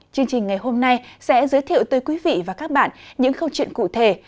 chương trình ngày hôm nay sẽ giới thiệu tới quý vị và các bạn những câu chuyện cụ thể